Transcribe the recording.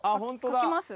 書きます？